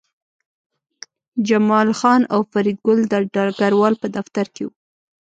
جمال خان او فریدګل د ډګروال په دفتر کې وو